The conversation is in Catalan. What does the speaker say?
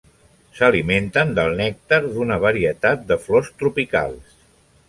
S'alimenten del nèctar d'una varietat de flors tropicals.